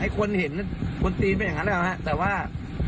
ไอ้คนเห็นค้นทีนเเหล่งงั้นค่ะแต่ว่า